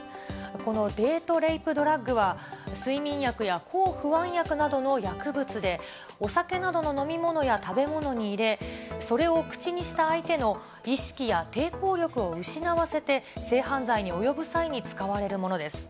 このデート・レイプ・ドラッグは、睡眠薬や抗不安薬などの薬物で、お酒などの飲み物や食べ物に入れ、それを口にした相手の意識や抵抗力を失わせて、性犯罪に及ぶ際に使われるものです。